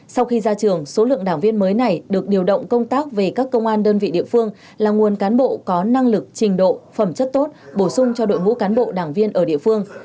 sau khi ra trường số lượng đảng viên mới này được điều động công tác về các công an đơn vị địa phương là nguồn cán bộ có năng lực trình độ phẩm chất tốt bổ sung cho đội ngũ cán bộ đảng viên ở địa phương